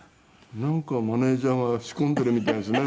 なんかマネジャーが仕込んでいるみたいですね。